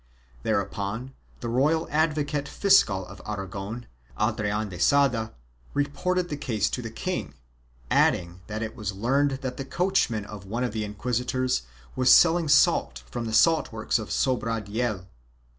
Thereupon the royal advocate fiscal of Aragon, Adrian de Sada, reported the case to the king, adding that it was learned that the coachman of one of the inquisitors was selling salt from the salt works of Sobradiel.